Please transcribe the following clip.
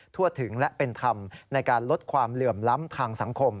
ทั่วถึงและเป็นธรรมในการลดความเหลื่อมล้ำทางสังคม